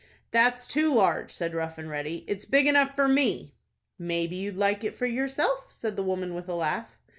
"That's too large," said Rough and Ready. "It's big enough for me." "Maybe you'd like it for yourself," said the woman, with a laugh.